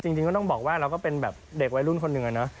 จริงก็ต้องบอกว่าเราก็เป็นเด็กวัยรุ่นคนหนึ่ง